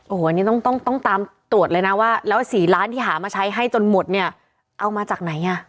โอ้โหอันนี้ต้องต้องตามตรวจเลยนะว่าแล้ว๔ล้านที่หามาใช้ให้จนหมดเนี่ยเอามาจากไหนอ่ะ